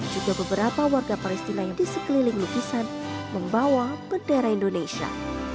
juga beberapa warga palestina yang di sekeliling lukisan membawa bendera indonesia